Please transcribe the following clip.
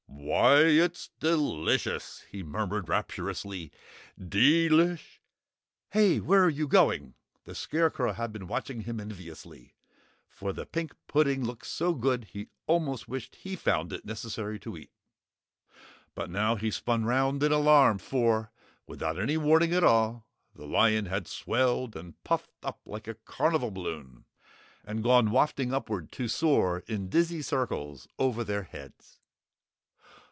"Why, it's delicious!" he murmured rapturously, "Deli " "Hey, where you going?" The Scarecrow had been watching him enviously, for the pink pudding looked so good he almost wished he found it necessary to eat. But now he spun round in alarm, for without any warning at all, the lion had swelled and puffed up like a carnival balloon and gone wafting upward to soar in dizzy circles over their heads.